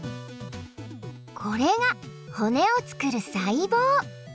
これが骨を作る細胞！